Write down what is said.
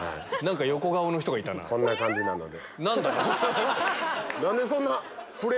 こんな感じなので。